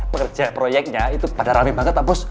pekerja proyeknya itu pada rame banget pak bos